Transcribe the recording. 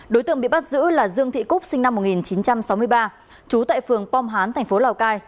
đối tượng bị bắt giữ là dương thị cúc sinh năm một nghìn chín trăm sáu mươi ba trú tại phường pom hán thành phố lào cai